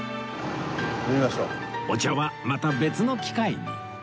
お茶はまた別の機会に